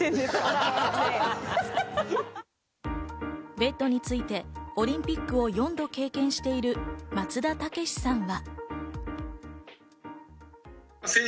ベッドについてオリンピックを４度経験している松田丈志さんは。